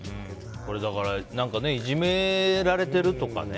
だから、何かいじめられてるとかね